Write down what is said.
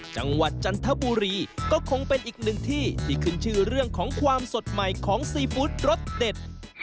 จังหวัดจันทบุรีก็คงเป็นอีกหนึ่งที่ที่ขึ้นชื่อเรื่องของความสดใหม่ของซีฟู้ดรสเด็ด